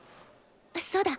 そうだ！